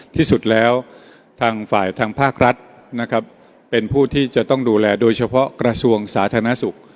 ที่สุดแล้วทางฝ่ายทางภาครัฐนะครับเป็นผู้ที่จะต้องดูแลโดยเฉพาะกระทรวงสาธารณสุข